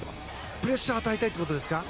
プレッシャーを与えたいということですか？